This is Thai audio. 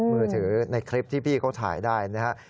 มือถือในคลิปที่พี่เขาถ่ายได้นะครับ